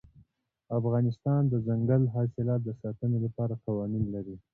افغانستان د دځنګل حاصلات د ساتنې لپاره قوانین لري.